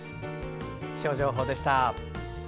気象情報でした。